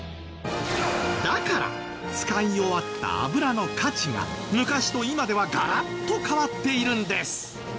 だから使い終わった油の価値は昔と今ではガラッと変わっているんです。